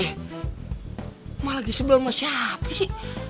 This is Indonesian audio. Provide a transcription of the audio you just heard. emang lagi sebelum siapa sih